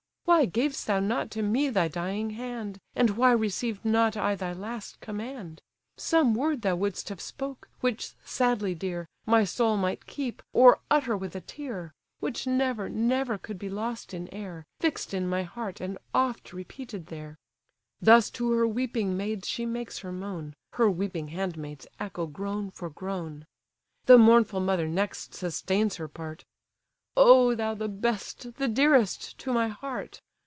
Why gav'st thou not to me thy dying hand? And why received not I thy last command? Some word thou would'st have spoke, which, sadly dear, My soul might keep, or utter with a tear; Which never, never could be lost in air, Fix'd in my heart, and oft repeated there!" Thus to her weeping maids she makes her moan, Her weeping handmaids echo groan for groan. The mournful mother next sustains her part: "O thou, the best, the dearest to my heart!